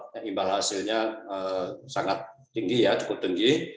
timbal hasilnya sangat tinggi ya cukup tinggi